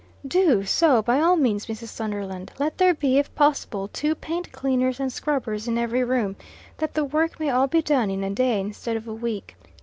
"Do, so by all means, Mrs. Sunderland. Let there be, if possible, two paint cleaners and scrubbers in every room, that the work may all be done in a day instead of a week.